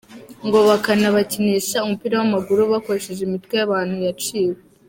Ngo banabakinisha umupira w'amaguru bakoresheje imitwe y'abantu yaciwe.